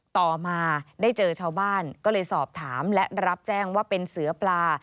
ต่อมาได้เจอชาวบ้านก็เลยสอบถามและรับแจ้งว่าเป็นเสือปลา